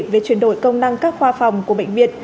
về chuyển đổi công năng các khoa phòng của bệnh viện